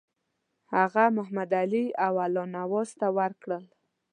هغه محمدعلي او الله نواز ته ورکړل.